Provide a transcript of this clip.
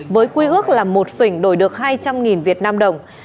với quy ước là một phỉnh đổi được hai trăm linh việt nam đồng